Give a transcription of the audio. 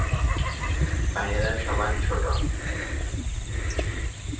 ভাইয়েরা সবার ছোট।